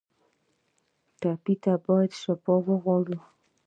ټپي ته باید شفا وغواړو.